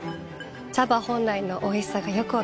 茶葉本来のおいしさがよく分かります。